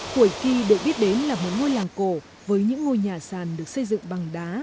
thổi kỳ được biết đến là một ngôi làng cổ với những ngôi nhà sàn được xây dựng bằng đá